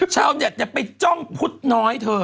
ชาวคนอยากไปจ้องพุธน้อยเธอ